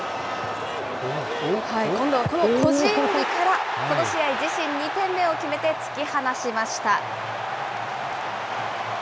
今度はこの個人技から、この試合、自身２点目を決めて突き放しました。